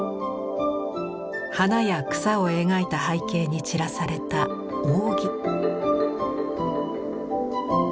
花や草を描いた背景に散らされた扇。